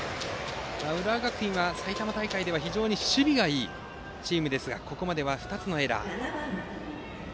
浦和学院は、埼玉大会では非常に守備がいいチームでしたがここまでは２つのエラー。